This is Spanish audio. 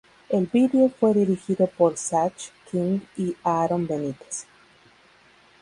El vídeo fue dirigido por Zach King y Aaron Benitez.